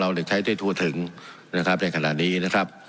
เลยนะครับของเราถึงใช้ทั่วถึงนะครับแค่ขนาดนี้นะครับ